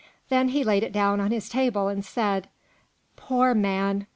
Then he laid it down on his table, and said "Poor man!